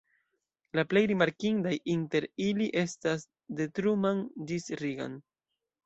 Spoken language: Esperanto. La plej rimarkindaj inter ili estas "De Truman ĝis Reagan.